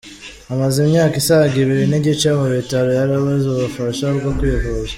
Amaze imyaka isaga ibiri n’igice mu bitaro yarabuze ubufasha bwo kwivuza